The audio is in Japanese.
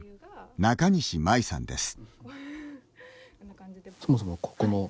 中西舞さんです。